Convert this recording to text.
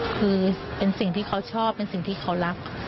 คือเป็นสิ่งที่เขาชอบเป็นสิ่งที่เขารัก